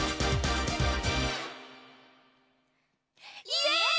イエーイ！